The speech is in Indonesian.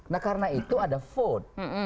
nah karena itu ada vote